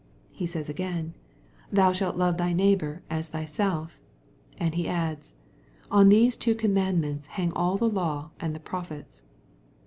He says again, " Thou shalt love thy neighbor as thy MATTHEW, CHAP. XXII. 293 self/' And lie adds, ^^ On these two commandments hang all the law and the prophets."